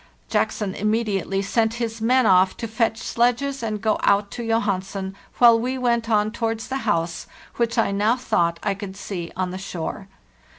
Jackson immediately sent his men off to fetch sledges and go out to Johansen, while we went on towards the house, which I now thought I could see on the shore.